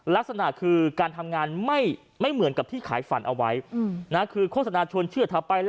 ลักษณะคือการทำงานไม่เหมือนกับที่ขายฝันเอาไว้คือโฆษณาชวนเชื่อทำไปแล้ว